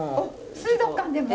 水族館でも？